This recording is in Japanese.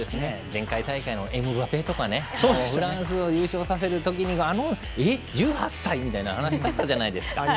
前回大会のエムバペとかフランスを優勝させる時に１８歳？みたいな話があったじゃないですか。